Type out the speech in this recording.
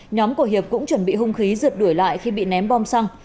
nhóm của hiệp cũng chuẩn bị hung khí rượt đuổi lại khi bị ném bom xăng